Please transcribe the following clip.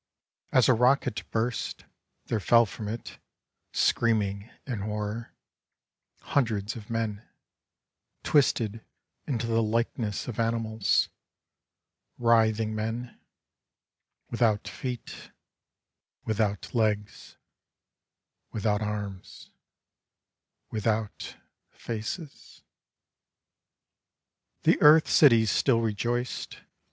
As a rocket burst There fell from it, Screaming in horror, Hundreds of men, Twisted into the likeness of animals — Writhing men Without feet, 10 Corpse Day. Without legs, Without arms, Without faces —... The earth cities still rejoiced.